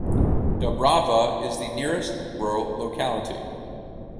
Dubrava is the nearest rural locality.